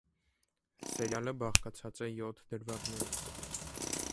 Սերիալը բաղկացած է յոթ դրվագներից։